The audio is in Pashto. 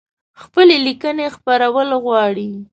خپلي لیکنۍ خپرول غواړی؟